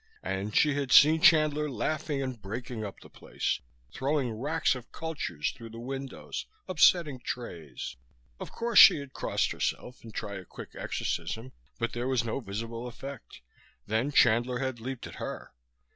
And she had seen Chandler laughing and breaking up the place, throwing racks of cultures through the windows, upsetting trays. Of course she had crossed herself and tried a quick exorcism but there was no visible effect; then Chandler had leaped at her.